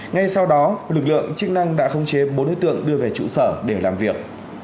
ngay sau đó lực lượng chức năng đã khống chế bốn đối tượng đưa về trụ sở để làm việc